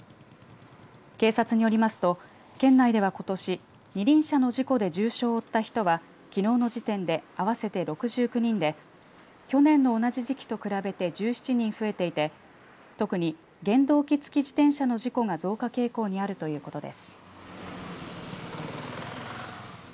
警察によりますと県内では、ことし二輪車の事故で重傷を負った人はきのうの時点で合わせて６９人で去年の同じ時期と比べて１７人増えていて特に原動機付き自転車の事故が増加傾向にあるということです。